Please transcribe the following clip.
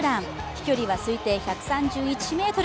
飛距離は推定１３１ｍ。